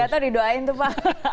pak gatot di doain tuh pak